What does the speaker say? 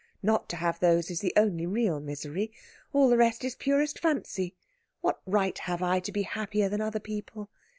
"Not to have those is the only real misery. All the rest is purest fancy. What right have I to be happier than other people?